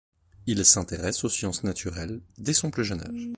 Il s'intéresse aux sciences naturelles dès son plus jeune âge.